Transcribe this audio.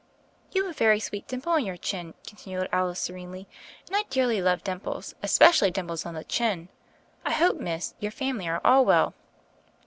"You've a very sweet dimple on your chin," continued Alice serenely, "and I dearly love dimples, especially dimples on the chin. I hope. Miss, your family are all well."